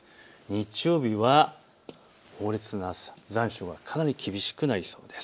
日曜日は猛烈な暑さ、残暑がかなり厳しくなりそうです。